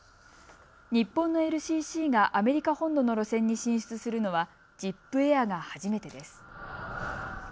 日本のＬＣＣがアメリカ本土の路線に進出するのはジップエアが初めてです。